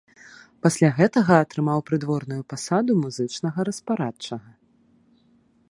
Пасля гэтага атрымаў прыдворную пасаду музычнага распарадчага.